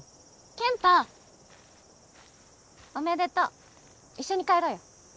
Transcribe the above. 健太おめでとう一緒に帰ろうよ